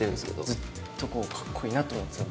ずっとかっこいいなと思ってた。